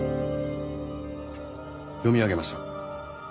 読み上げましょう。